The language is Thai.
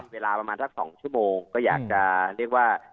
เวลาประมาณสัก๒ชั่วโมงก็อยากจะเรียกว่า